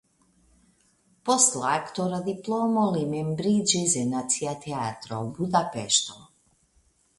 Post la aktora diplomo li membriĝis en Nacia Teatro (Budapeŝto).